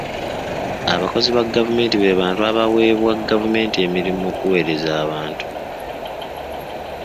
Abakozi ba gavumenti be bantu abaaweebwa gavumenti emirimu okuweereza abantu.